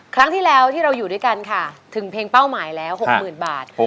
ครั้งที่แล้วที่เราอยู่ด้วยกันค่ะถึงเพลงเป้าหมายแล้ว๖๐๐๐บาท